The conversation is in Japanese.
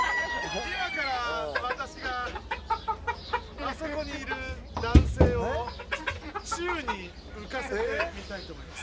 今から私があそこにいる男性を宙に浮かせてみたいと思います。